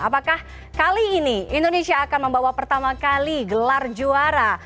apakah kali ini indonesia akan membawa pertama kali gelar juara